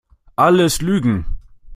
Alles Lügen!